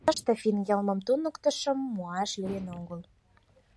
Тыште финн йылмым туныктышым муаш лийын огыл.